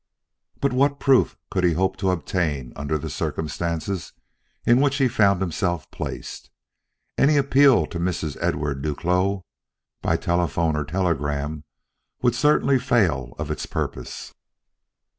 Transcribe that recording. But what proof could he hope to obtain under the circumstances in which he found himself placed? Any appeal to Mrs. Edouard Duclos, by telephone or telegram, would certainly fail of its purpose.